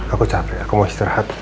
aku capek aku mau istirahat